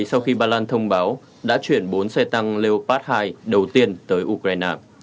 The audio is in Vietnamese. sau khi ba lan thông báo đã chuyển bốn xe tăng leopas hai đầu tiên tới ukraine